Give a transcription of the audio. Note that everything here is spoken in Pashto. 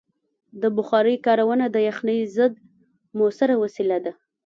د بخارۍ کارونه د یخنۍ ضد مؤثره وسیله ده.